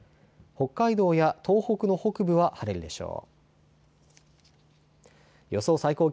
北海道や東北の北部は晴れるでしょう。